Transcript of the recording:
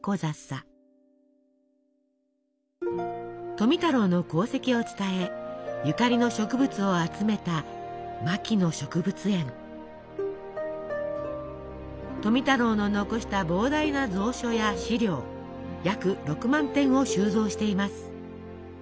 富太郎の功績を伝えゆかりの植物を集めた富太郎の残した膨大な蔵書や資料約６万点を収蔵しています。